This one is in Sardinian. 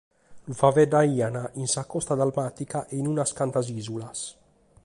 Lu faeddaiant in sa costa dalmàtica e in unas cantas ìsulas.